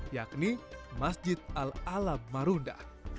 yakni masjid al alam marunda